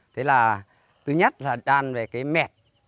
thế là thứ nhất là đan về cái mẹ